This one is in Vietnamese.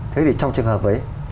thế thì trong trường hợp ấy